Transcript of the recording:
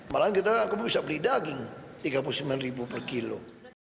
malah kita bisa beli daging tiga puluh sembilan ribu per kilo